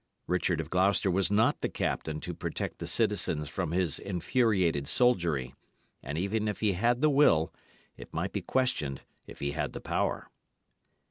Richard of Gloucester was not the captain to protect the citizens from his infuriated soldiery; and even if he had the will, it might be questioned if he had the power.